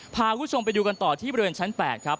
พาคุณผู้ชมไปดูกันต่อที่บริเวณชั้น๘ครับ